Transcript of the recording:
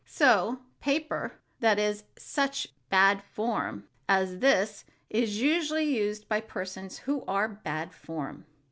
So, paper that is such bad form as this is usually used by persons who are "bad form."